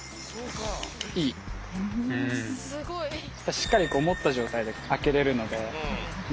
しっかり持った状態であけれるので。